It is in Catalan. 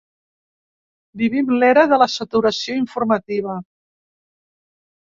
Vivim l'era de la saturació informativa.